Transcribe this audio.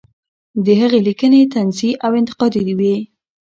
د هغې لیکنې طنزي او انتقادي وې.